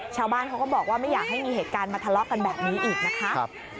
ชาวบ้านเขาก็บอกว่าไม่อยากให้มีเหตุการณ์มาทะเลาะกันแบบนี้อีกนะคะ